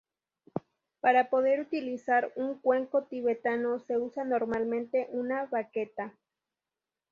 Para poder utilizar un cuenco tibetano se usa normalmente una "baqueta".